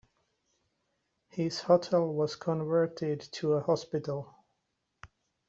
His hotel was converted to a hospital.